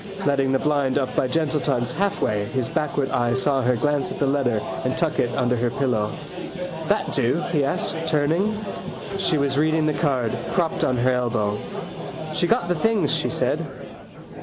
Letting the blind up by gentle tugs halfway his backward eye saw her glance at the letter and tuck it under her pillow. —That do? he asked, turning. She was reading the card, propped on her elbow. —She got the things, she said.